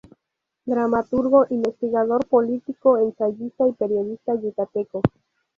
Dramaturgo, investigador, político, ensayista y periodista yucateco.